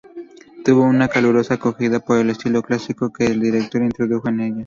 Tuvo una calurosa acogida, por el estilo clásico que el director introdujo en ella.